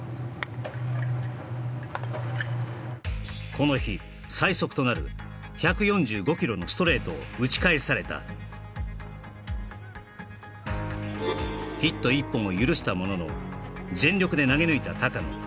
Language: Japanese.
この日最速となる１４５キロのストレートを打ち返されたヒット１本を許したものの全力で投げ抜いた高野